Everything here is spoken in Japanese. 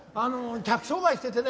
客商売しててね